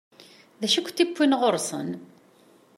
D acu i kent-yewwin ɣur-sen?